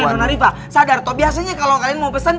eh dona rifa sadar toh biasanya kalo kalian mau pesen